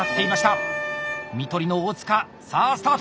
看取りの大塚さあスタート！